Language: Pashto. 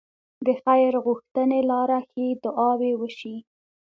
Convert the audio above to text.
د خير غوښتنې لاره ښې دعاوې وشي.